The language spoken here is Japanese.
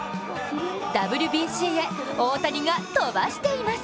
ＷＢＣへ大谷が飛ばしています。